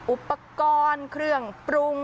อุปกรณ์เครื่องปรุง